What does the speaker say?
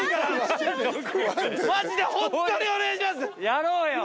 やろうよ。